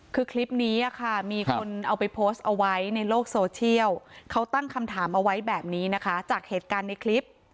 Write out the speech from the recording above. คือคลิปนี้ค่ะมีคนเอาไปโพสต์เอาไว้ในโลกโซเชียลเขาตั้งคำถามเอาไว้แบบนี้นะคะจากเหตุการณ์ในคลิป